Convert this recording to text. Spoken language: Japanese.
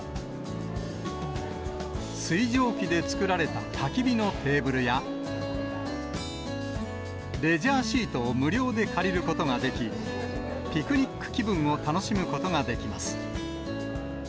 水蒸気で作られたたき火のテーブルや、レジャーシートを無料で借りることができ、ピクニック気分を楽しむことができます。